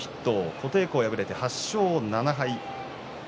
琴恵光は敗れて８勝７敗。